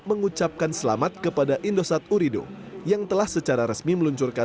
mengucapkan selamat kepada indonesia